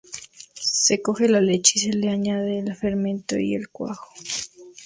Se coge la leche y se le añade el fermento y el cuajo.